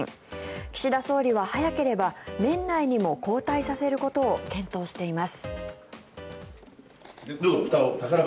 岸田総理は早ければ年内にも交代させることを検討しています。